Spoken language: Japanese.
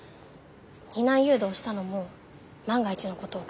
避難誘導をしたのも万が一のことを考えて。